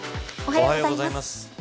おはようございます。